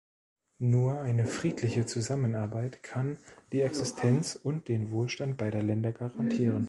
Nur eine friedliche Zusammenarbeit kann die Existenz und den Wohlstand beider Länder garantieren.